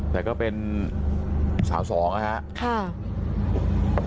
แต่ก็เป็นสาวสองนะครับ